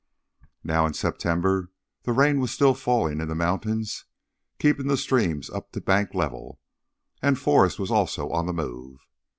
Now in September the rain was still falling in the mountains, keeping the streams up to bank level. And Forrest was also on the move.